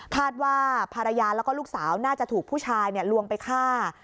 คาดว่าภรรยาแล้วก็ลูกสาวน่าจะถูกผู้ชายลวงไปฆ่า